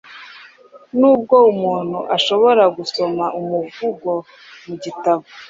Nubwo umuntu ashobora gusoma umuvugo mu gitabo,